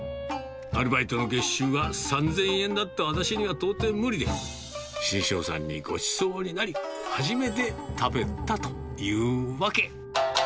アルバイトの月収は３０００円だった私には到底無理で、志ん生さんにごちそうになり、初めて食べたというわけ。